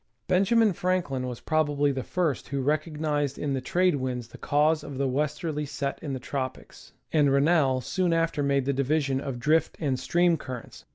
Ben jamin Franklin was probably the first who recognized in the trade winds the cause of the westerly set in the tropics, and Ren Geography of the Sea. 141 nel soon after made the division of drift and stream currents.